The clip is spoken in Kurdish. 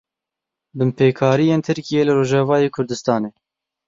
Binpêkariyên Tirkiyê li Rojavayê Kurdistanê.